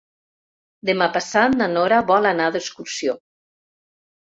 Demà passat na Nora vol anar d'excursió.